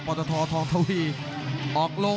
กรรมการเตือนทั้งคู่ครับ๖๖กิโลกรัม